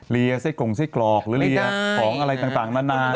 ไส้กรงไส้กรอกหรือเรียของอะไรต่างนานา